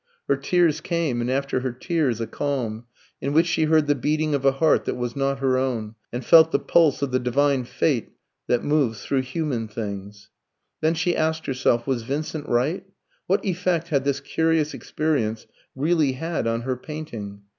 Her tears came, and after her tears a calm, in which she heard the beating of a heart that was not her own, and felt the pulse of the divine Fate that moves through human things. Then she asked herself Was Vincent right? What effect had this curious experience really had on her painting?